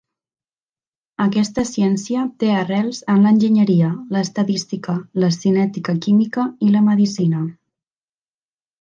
Aquesta ciència té arrels en l'enginyeria, l'estadística, la cinètica química i la medicina.